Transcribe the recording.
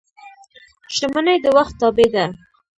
• شتمني د وخت تابع ده.